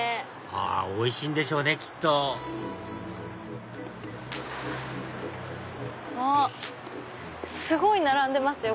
あおいしいんでしょうねきっとあっすごい並んでますよ